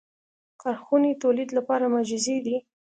کارخونې د تولید لپاره مجهزې دي.